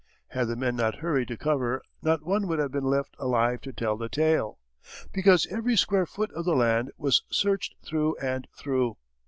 Had the men not hurried to cover not one would have been left alive to tell the tale, because every square foot of the land was searched through and through.